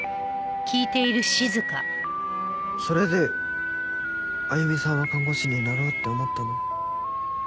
それで歩さんは看護師になろうって思ったの？